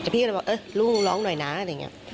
พี่ก็เลยบอกเออลุงร้องหน่อยนะอะไรอย่างนี้